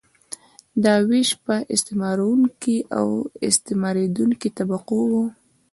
دا ویش په استثمارونکې او استثماریدونکې طبقو وو.